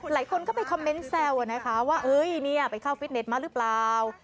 หลายคนก็ไปคอมเมนต์แซวว่านะคะว่าเอ้ยนี่อ่ะไปเข้าฟิตเนตมาหรือเปล่า